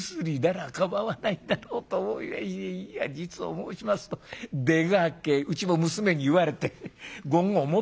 いや実を申しますと出がけうちも娘に言われて五合持ってんだ」。